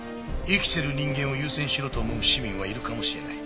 生きてる人間を優先しろと思う市民はいるかもしれない。